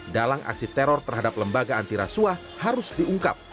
dalang aksi teror terhadap lembaga antirasuah harus diungkap